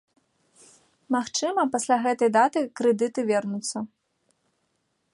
Магчыма, пасля гэтай даты крэдыты вернуцца.